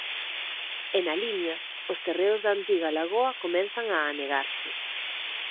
E na Limia, os terreos da antiga Lagoa comezan a anegarse.